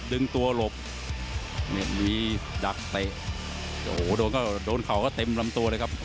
ดึงตัวหลบเนี่ยมีดักเตะโอ้โหโดนก็โดนเข่าก็เต็มลำตัวเลยครับ